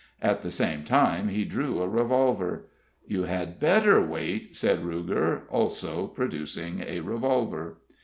At the same time he drew a revolver. "You had better wait," said Ruger, also producing a revolver.